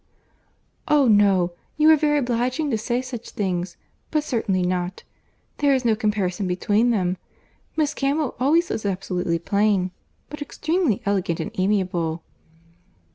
"Oh! no. You are very obliging to say such things—but certainly not. There is no comparison between them. Miss Campbell always was absolutely plain—but extremely elegant and amiable."